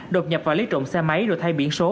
đột nhập vào lấy trộm xe máy rồi thay biển số